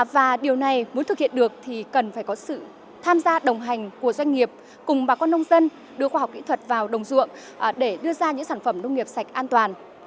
và điều này muốn thực hiện được thì cần phải có sự tham gia đồng hành của doanh nghiệp cùng bà con nông dân đưa khoa học kỹ thuật vào đồng ruộng để đưa ra những sản phẩm nông nghiệp sạch an toàn